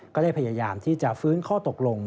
ก็ได้พยายามที่จะฟื้นข้อตกลง